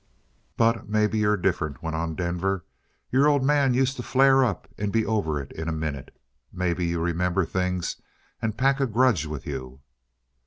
"But maybe you're different," went on Denver. "Your old man used to flare up and be over it in a minute. Maybe you remember things and pack a grudge with you."